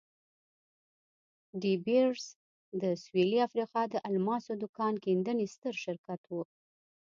ډي بیرز د سوېلي افریقا د الماسو د کان کیندنې ستر شرکت وو.